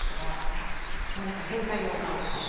あらもう何か先輩のお顔。